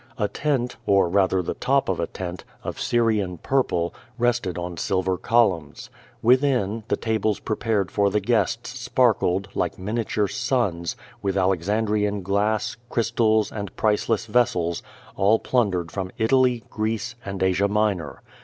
A tent, or rather the top of a tent, of Syrian purple, rested on silver columns. Within, the tables prepared for the guests sparkled, like miniature suns, with Alexandrian glass, cr}'Rtals and priceless vessels, all plundered from Italy, Greece and Asia ilinor.